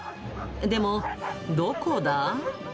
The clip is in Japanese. でも、どこだ？